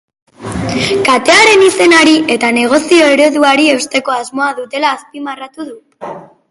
Katearen izenari eta negozio-ereduari eusteko asmoa dutela azpimarratu du.